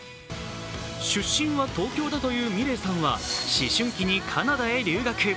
出身は東京だというｍｉｌｅｔさんは、思春期にカナダに留学。